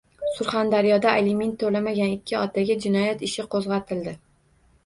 Surxondaryoda aliment to‘lamagan ikki otaga jinoyat ishi qo‘zg‘atildi